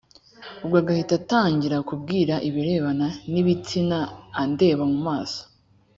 ubwo agahita atangira kumbwira ibirebana n’ibitsina andeba mu maso